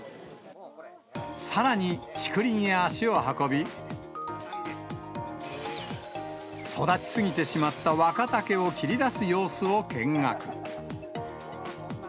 さらに竹林へ足を運び、育ち過ぎてしまった若竹を切り出す様子を見学。